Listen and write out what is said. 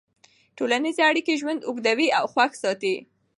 ټولنیزې اړیکې ژوند اوږدوي او خوښ ساتي.